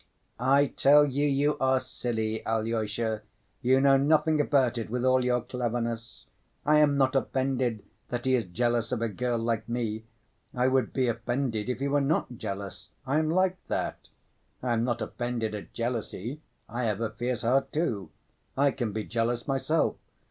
"I tell you you are silly, Alyosha. You know nothing about it, with all your cleverness. I am not offended that he is jealous of a girl like me. I would be offended if he were not jealous. I am like that. I am not offended at jealousy. I have a fierce heart, too. I can be jealous myself.